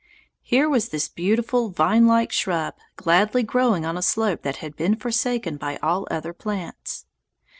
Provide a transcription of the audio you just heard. Here was this beautiful vinelike shrub gladly growing on a slope that had been forsaken by all other plants.